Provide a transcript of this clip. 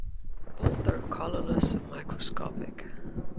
Both are colorless and microscopic.